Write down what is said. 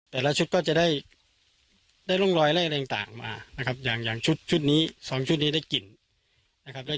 แต่ละชุดก็จะได้ร่องรอยไล่อะไรต่างมานะครับอย่างชุดนี้๒ชุดนี้ได้กลิ่นนะครับ